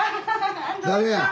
誰や？